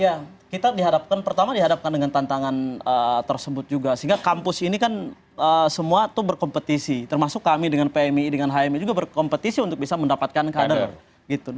ya kita pertama dihadapkan dengan tantangan tersebut juga sehingga kampus ini kan semua tuh berkompetisi termasuk kami dengan pmi dengan hmi juga berkompetisi untuk bisa mendapatkan kader gitu